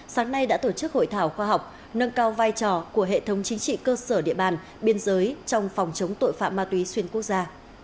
sáng nay đã tổ chức hội thảo khoa học nâng cao vai trò của hệ thống chính trị cơ sở địa bàn biên giới trong phòng chống tội phạm ma túy xuyên quốc gia